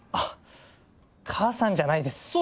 母さんじゃないです。